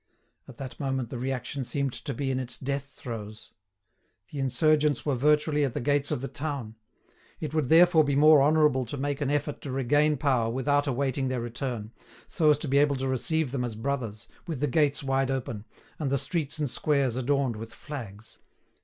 At that moment the reaction seemed to be in its death throes. The insurgents were virtually at the gates of the town. It would therefore be more honourable to make an effort to regain power without awaiting their return, so as to be able to receive them as brothers, with the gates wide open, and the streets and squares adorned with flags.